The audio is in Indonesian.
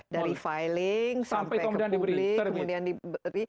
dari filing sampai ke publik kemudian diberi